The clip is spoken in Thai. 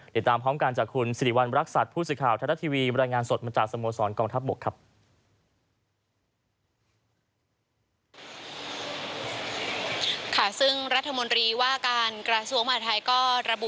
ติดตามพร้อมกันจากคุณสิริวัณรักษัตริย์ผู้สื่อข่าวไทยรัฐทีวีบรรยายงานสดมาจากสโมสรกองทัพบกครับ